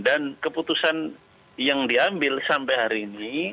dan keputusan yang diambil sampai hari ini